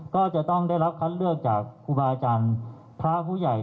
ก็จะต้องได้รับคัดเลือกจากครูบาอาจารย์พระผู้ใหญ่